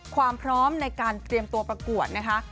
ความพร้อมในการเตรียมตัวประกวดนะคะ